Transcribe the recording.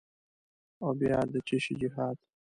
او بیا د چیشي جهاد؟